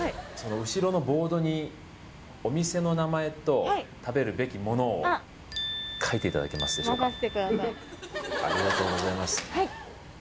はいお店の名前と食べるべきものを書いていただけますでしょうか？